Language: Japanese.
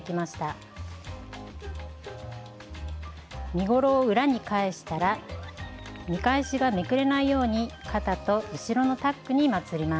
身ごろを裏に返したら見返しがめくれないように肩と後ろのタックにまつります。